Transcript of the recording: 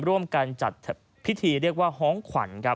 ร่วมกันจัดพิธีห้องขวัญ